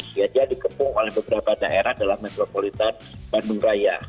dia dikepung oleh beberapa daerah dalam metropolitan bandung raya